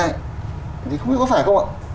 thì không biết có phải không ạ